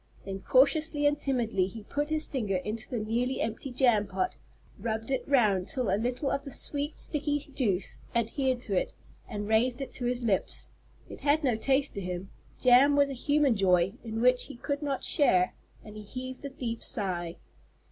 Then, cautiously and timidly, he put his finger into the nearly empty jam pot, rubbed it round till a little of the sweet, sticky juice adhered to it, and raised it to his lips. It had no taste to him. Jam was a human joy in which he could not share, and he heaved a deep sigh.